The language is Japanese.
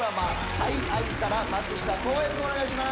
「最愛」から松下洸平君お願いします